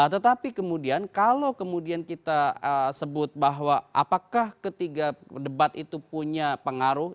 tetapi kemudian kalau kemudian kita sebut bahwa apakah ketiga debat itu punya pengaruh